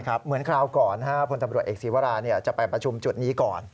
เหมือนคราวก่อนพลตำรวจเอกศีวราจะไปประชุมจุดนี้ก่อน